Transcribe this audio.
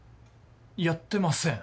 やってません。